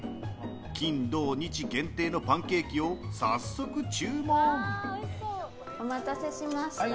金、土、日限定のパンケーキをお待たせしました。